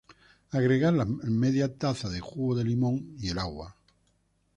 Agregar la media taza de jugo de limón y el agua.